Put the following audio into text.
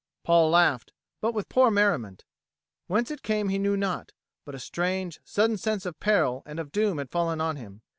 Paul laughed, but with poor merriment. Whence it came he knew not, but a strange sudden sense of peril and of doom had fallen on him.